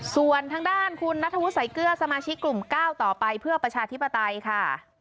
ส่วนทางด้านคุณนัทธวุฒิสายเกลือสมาชิกกลุ่มก้าวต่อไปเพื่อประชาธิปไตยค่ะ